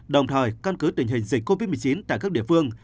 đồng thời căn cứ tình hình dịch covid một mươi chín tại các địa phương